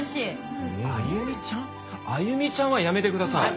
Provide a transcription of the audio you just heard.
「歩ちゃん」はやめてください。